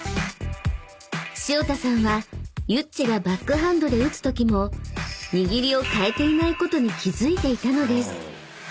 ［潮田さんはユッチがバックハンドで打つときも握りを変えていないことに気付いていたのです］